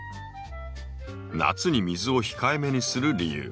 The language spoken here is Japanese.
夏に水を控えめにする理由。